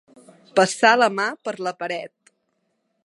Passar la mà per la paret.